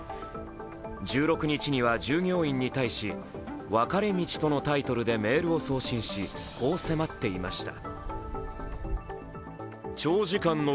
１６日には従業員に対し「分かれ道」とのタイトルでメールを送信し、こう迫っていました。